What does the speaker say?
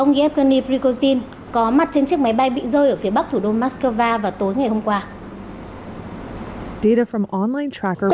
ông yevgeny prigozhin có mặt trên chiếc máy bay bị rơi ở phía bắc thủ đô moscow vào tối ngày hôm qua